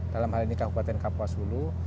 dalam hal ini kabupaten kapuasulu